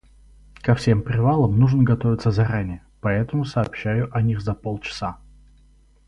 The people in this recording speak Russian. Ко всем привалам нужно готовиться заранее, поэтому сообщаю о них за полчаса.